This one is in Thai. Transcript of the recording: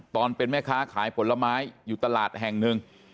ตอนเป็นแม่ค้าขายผลไม้อยู่ตลาดแห่งหนึ่ง